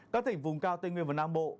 các tỉnh vùng cao tây nguyên và nam bộ